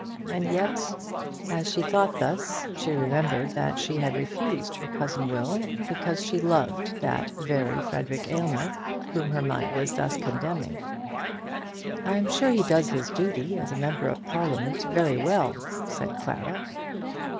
And yet, as she thought thus, she remembered that she had refused her cousin Will because she loved that very Frederic Aylmer whom her mind was thus condemning. "I'm sure he does his duty as a member of Parliament very well," said Clara.